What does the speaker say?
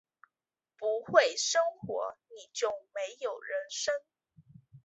不会生活，你就没有人生